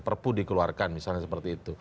perpu dikeluarkan misalnya seperti itu